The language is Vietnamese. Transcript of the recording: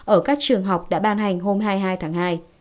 ở các trường học đã ban hành hôm hai mươi hai tháng hai